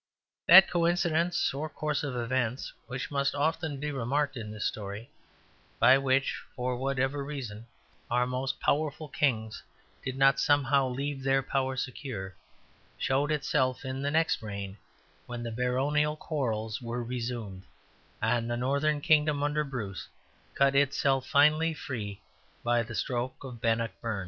That coincidence or course of events, which must often be remarked in this story, by which (for whatever reason) our most powerful kings did not somehow leave their power secure, showed itself in the next reign, when the baronial quarrels were resumed and the northern kingdom, under Bruce, cut itself finally free by the stroke of Bannockburn.